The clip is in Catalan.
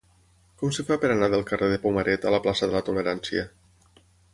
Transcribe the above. Com es fa per anar del carrer de Pomaret a la plaça de la Tolerància?